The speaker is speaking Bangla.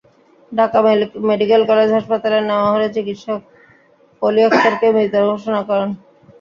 ঢাকা মেডিকেল কলেজ হাসপাতালে নেওয়া হলে চিকিৎসক পলি আক্তারকে মৃত ঘোষণা করেন।